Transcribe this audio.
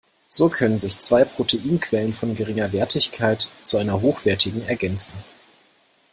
So können sich zwei Proteinquellen von geringer Wertigkeit zu einer hochwertigen ergänzen.